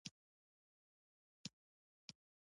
پرېږده چې نږدې راشي.